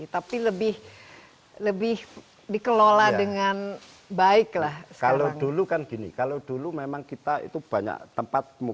tapi lebih lebih dikelola dengan baiklah kalau dulu kan gini kalau dulu memang kita itu banyak tempat